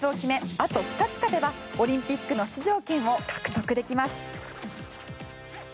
あと２つ勝てばオリンピックの出場権を獲得できます。